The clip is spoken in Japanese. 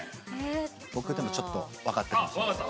僕でもちょっとわかったかもしれないです。